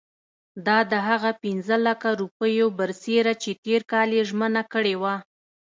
دا د هغه پنځه لکه روپیو برسېره چې تېر کال یې ژمنه کړې وه.